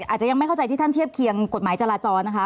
อาจจะยังไม่เข้าใจที่ท่านเทียบเคียงกฎหมายจราจรนะคะ